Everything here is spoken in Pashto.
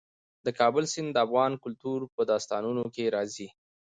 د کابل سیند د افغان کلتور په داستانونو کې راځي.